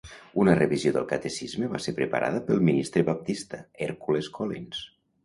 Una revisió del catecisme va ser preparada pel ministre baptista, Hèrcules Collins.